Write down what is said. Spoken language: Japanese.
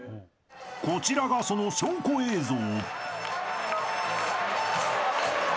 ［こちらがその証拠映像］